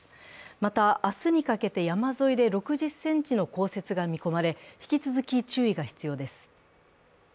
また、明日にかけて山沿いで６０ｃｍの降雪が見込まれ、引き続き注意が必要です。